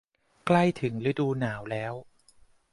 ใกล้ถึงฤดูหนาวแล้ว